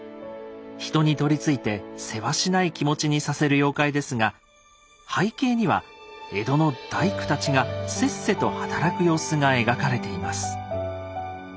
人に取りついてせわしない気持ちにさせる妖怪ですが背景には江戸の大工たちがせっせと働く様子が描かれています。